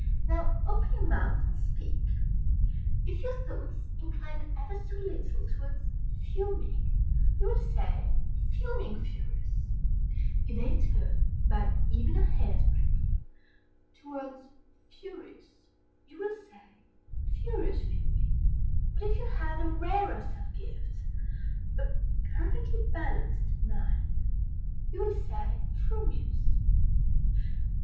Now open your mouth and speak. If your thoughts incline ever so little towards "fuming," you will say "fuming furious;" if they turn, by even a hair's breadth, towards "furious," you will say "furious fuming;" but if you have the rarest of gifts, a perfectly balanced mind, you will say "frumious."